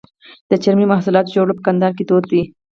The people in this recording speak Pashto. د چرمي محصولاتو جوړول په کندهار کې دود دي.